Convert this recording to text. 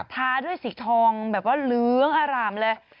ทาด้วยสีทองแบบว่าเหลืองอร่ามเลย